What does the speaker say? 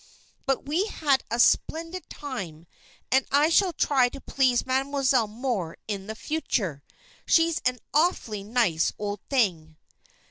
But we had a splendid time, and I shall try to please Mademoiselle more in the future. She's an awfully nice old thing."